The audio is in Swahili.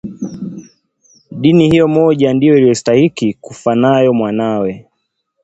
Dini hiyo moja ndiyo aliyostahiki kufa nayo mwanawe